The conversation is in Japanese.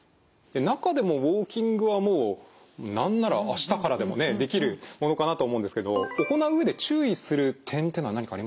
中でもウォーキングはもう何なら明日からでもねできるものかなと思うんですけど行う上で注意する点っていうのは何かありますか？